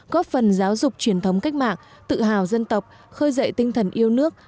có phần giáo dục truyền thống cách mạng tự hào dân tập khơi dậy tinh thần yêu nước